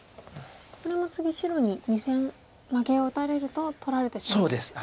これも次白に２線マゲを打たれると取られてしまうんですね。